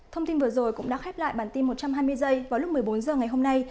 thông tin vừa rồi cũng đã khép lại bản tin một trăm hai mươi giây vào lúc một mươi bốn h ngày hôm nay